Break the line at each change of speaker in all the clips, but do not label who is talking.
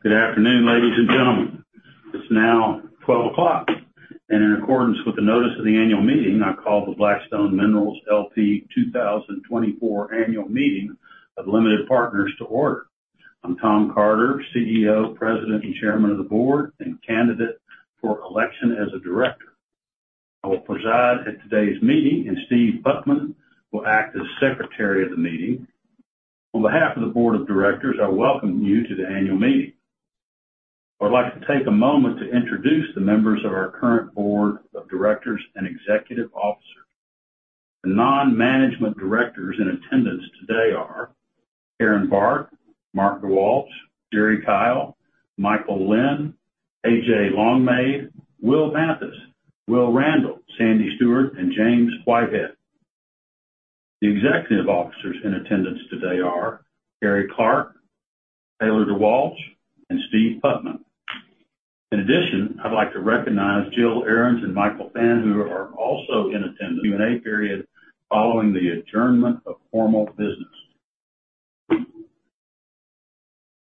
Good afternoon, ladies and gentlemen. It's now 12:00 P.M., and in accordance with the notice of the annual meeting, I call the Black Stone Minerals LP 2024 annual meeting of Limited Partners to order. I'm Tom Carter, CEO, president, and chairman of the Board, and candidate for election as a director. I will preside at today's meeting, and Steve Putman will act as secretary of the meeting. On behalf of the Board of Directors, I welcome you to the annual meeting. I would like to take a moment to introduce the members of our current Board of Directors and executive officers. The non-management directors in attendance today are Carin Barth, Mark Walsh, Jerry Kyle, Michael Linn, A.J. Longmaid, Will Mathis, Will Randall, Sandy Stewart, and James Whitehead. The executive officers in attendance today are Carrie Clark, Taylor DeWalch, and Steve Putman. In addition, I'd like to recognize Jill Aarons and Michael Fan, who are also in attendance. Q&A period following the adjournment of formal business.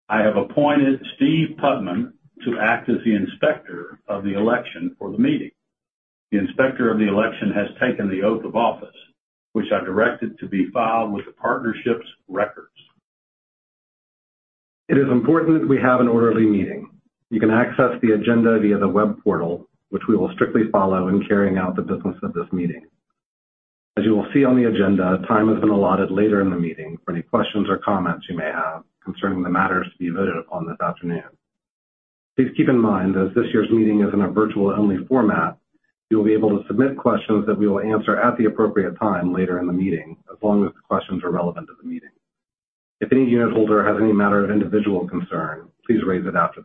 I have appointed Steve Putman to act as the inspector of the election for the meeting. The inspector of the election has taken the oath of office, which I directed to be filed with the partnership's records.
It is important that we have an orderly meeting. You can access the agenda via the web portal, which we will strictly follow in carrying out the business of this meeting. As you will see on the agenda, time has been allotted later in the meeting for any questions or comments you may have concerning the matters to be voted upon this afternoon. Please keep in mind, as this year's meeting is in a virtual-only format, you will be able to submit questions that we will answer at the appropriate time later in the meeting, as long as the questions are relevant to the meeting. If any unit holder has any matter of individual concern, please raise it after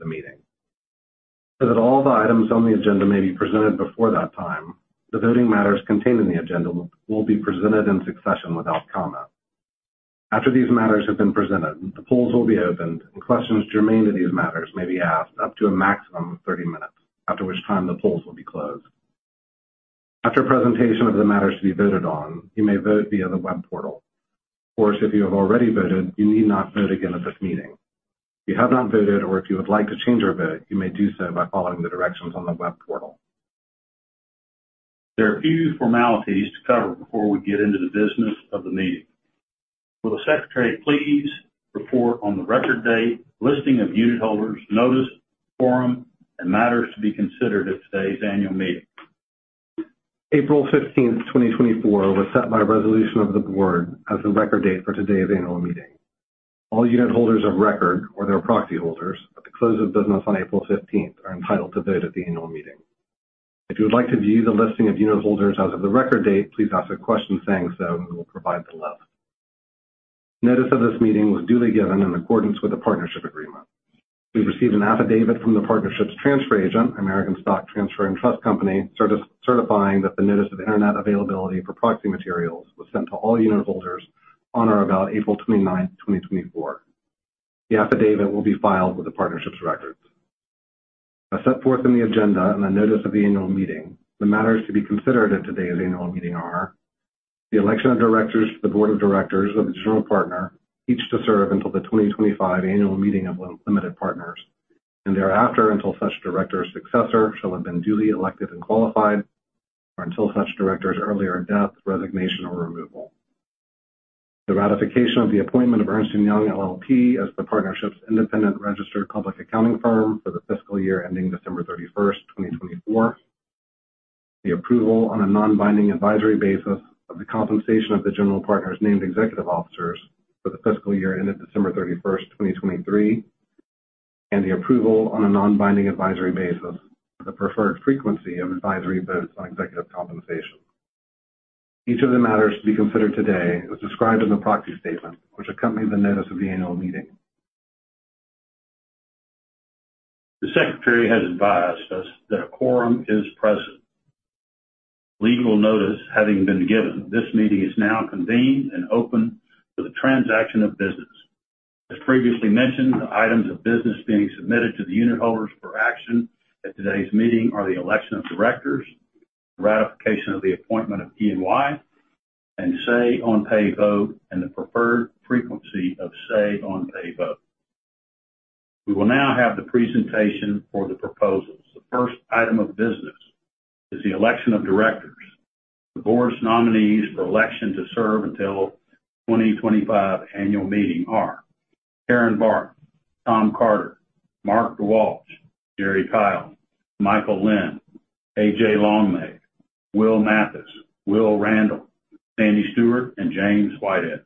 the meeting. So that all the items on the agenda may be presented before that time, the voting matters contained in the agenda will be presented in succession without comment. After these matters have been presented, the polls will be opened, and questions germane to these matters may be asked up to a maximum of 30 minutes, after which time the polls will be closed. After presentation of the matters to be voted on, you may vote via the web portal. Of course, if you have already voted, you need not vote again at this meeting. If you have not voted, or if you would like to change your vote, you may do so by following the directions on the web portal.
There are a few formalities to cover before we get into the business of the meeting. Will the secretary please report on the record date, listing of unit holders, notice, quorum, and matters to be considered at today's annual meeting?
April 15th, 2024, was set by a resolution of the Board as the record date for today's annual meeting. All unit holders of record, or their proxy holders, at the close of business on April 15th are entitled to vote at the annual meeting. If you would like to view the listing of unit holders as of the record date, please ask a question saying so, and we will provide the list. Notice of this meeting was duly given in accordance with the partnership agreement. We received an affidavit from the partnership's transfer agent, American Stock Transfer & Trust Company, certifying that the notice of internet availability for proxy materials was sent to all unit holders on or about April 29th, 2024. The affidavit will be filed with the partnership's records. As set forth in the agenda and the notice of the annual meeting, the matters to be considered at today's annual meeting are the election of directors to the Board of Directors of the General Partner each to serve until the 2025 annual meeting of Limited Partners, and thereafter until such director's successor shall have been duly elected and qualified, or until such director's earlier death, resignation, or removal. The ratification of the appointment of Ernst & Young LLP as the partnership's independent registered public accounting firm for the fiscal year ending December 31st, 2024. The approval on a non-binding advisory basis of the compensation of the General Partner's named executive officers for the fiscal year ended December 31st, 2023, and the approval on a non-binding advisory basis of the preferred frequency of advisory votes on executive compensation. Each of the matters to be considered today is described in the proxy statement, which accompanies the notice of the annual meeting.
The secretary has advised us that a quorum is present. Legal notice having been given, this meeting is now convened and open for the transaction of business. As previously mentioned, the items of business being submitted to the unit holders for action at today's meeting are the election of directors, ratification of the appointment of E&Y, and say-on-pay vote, and the preferred frequency of say-on-pay vote. We will now have the presentation for the proposals. The first item of business is the election of directors. The board's nominees for election to serve until 2025 annual meeting are Carin Barth, Tom Carter, Mark Walsh, Jerry Kyle, Michael Linn, A.J. Longmaid, Will Mathis, Will Randall, Sandy Stewart, and James Whitehead.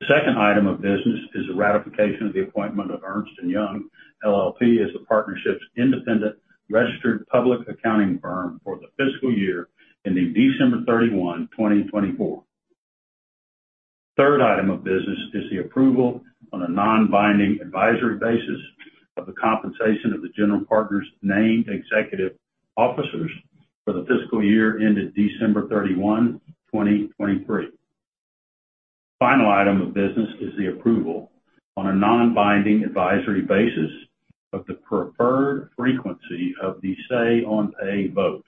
The second item of business is the ratification of the appointment of Ernst & Young LLP as the partnership's independent registered public accounting firm for the fiscal year ending December 31, 2024. The third item of business is the approval on a non-binding advisory basis of the compensation of the general partner's named executive officers for the fiscal year ended December 31, 2023. The final item of business is the approval on a non-binding advisory basis of the preferred frequency of the say-on-pay vote.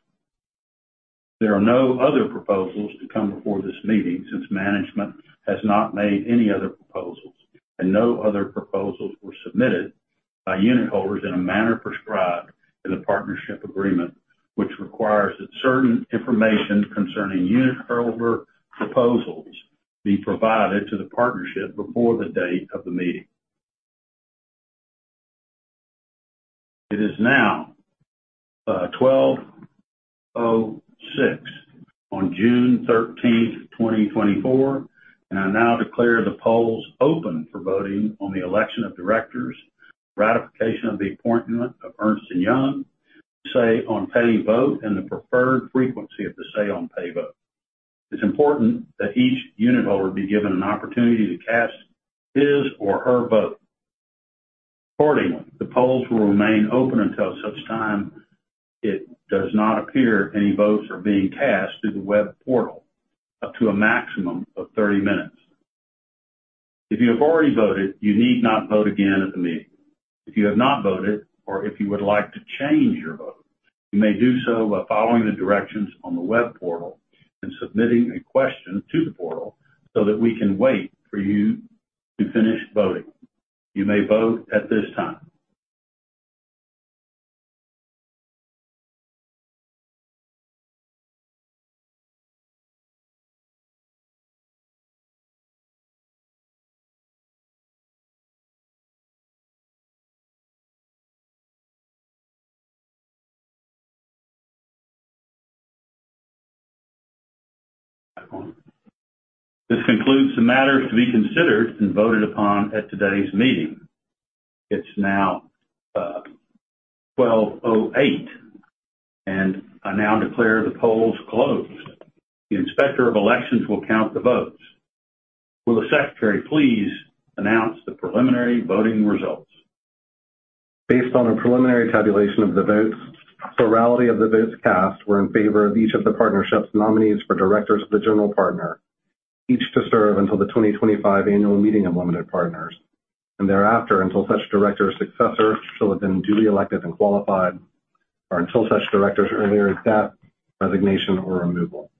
There are no other proposals to come before this meeting since management has not made any other proposals, and no other proposals were submitted by unit holders in a manner prescribed in the partnership agreement, which requires that certain information concerning unit holder proposals be provided to the partnership before the date of the meeting. It is now 12:06 P.M. on June 13th, 2024, and I now declare the polls open for voting on the election of directors, ratification of the appointment of Ernst & Young, say-on-pay vote, and the preferred frequency of the say-on-pay vote. It's important that each unit holder be given an opportunity to cast his or her vote. Accordingly, the polls will remain open until such time it does not appear any votes are being cast through the web portal, up to a maximum of 30 minutes. If you have already voted, you need not vote again at the meeting. If you have not voted, or if you would like to change your vote, you may do so by following the directions on the web portal and submitting a question to the portal so that we can wait for you to finish voting. You may vote at this time. This concludes the matters to be considered and voted upon at today's meeting. It's now 12:08 P.M., and I now declare the polls closed. The Inspector of the election will count the votes. Will the secretary please announce the preliminary voting results?
Based on a preliminary tabulation of the votes, the plurality of the votes cast were in favor of each of the partnership's nominees for directors of the General Partner, each to serve until the 2025 annual meeting of Limited Partners, and thereafter until such director's successor shall have been duly elected and qualified, or until such director's earlier death, resignation, or removal.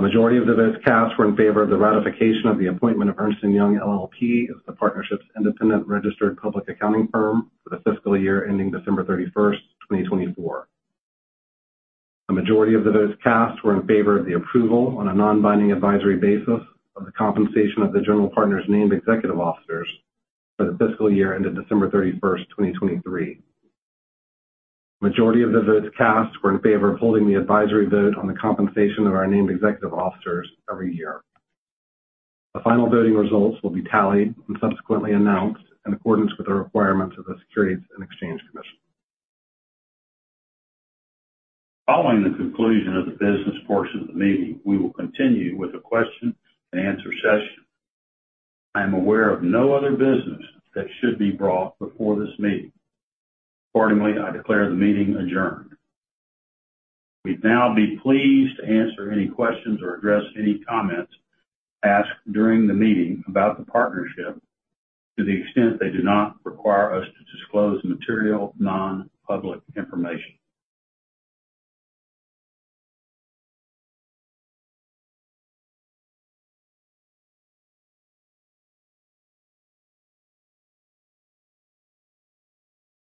A majority of the votes cast were in favor of the ratification of the appointment of Ernst & Young LLP as the partnership's independent registered public accounting firm for the fiscal year ending December 31st, 2024. A majority of the votes cast were in favor of the approval on a non-binding advisory basis of the compensation of the General Partner's named executive officers for the fiscal year ended December 31st, 2023. A majority of the votes cast were in favor of holding the advisory vote on the compensation of our named executive officers every year. The final voting results will be tallied and subsequently announced in accordance with the requirements of the Securities and Exchange Commission.
Following the conclusion of the business portion of the meeting, we will continue with a question-and-answer session. I am aware of no other business that should be brought before this meeting. Accordingly, I declare the meeting adjourned. We'd now be pleased to answer any questions or address any comments asked during the meeting about the partnership to the extent they do not require us to disclose material non-public information.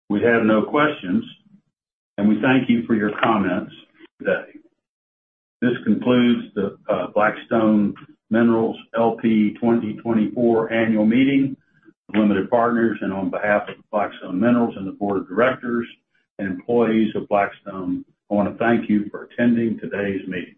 We have no questions, and we thank you for your comments today. This concludes the Black Stone Minerals LP 2024 annual meeting of limited partners, and on behalf of Black Stone Minerals and the Board of Directors and employees of Black Stone, I want to thank you for attending today's meeting.